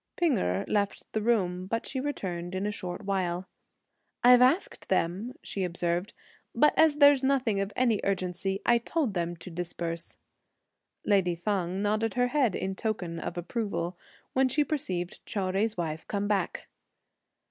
P'ing Erh left the room, but she returned in a short while. "I've asked them," she observed, "but as there's nothing of any urgency, I told them to disperse." Lady Feng nodded her head in token of approval, when she perceived Chou Jui's wife come back.